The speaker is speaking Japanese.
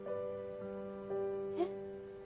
えっ？